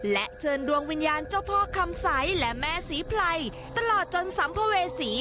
และเชิญดวงวิญญาณเจ้าพ่อคำสัยและแม่สีไผลตลอดจนสำโพเวศี